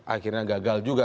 akhirnya gagal juga